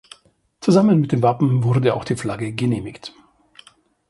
Zusammen mit dem Wappen wurde auch die Flagge genehmigt.